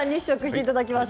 いただきます。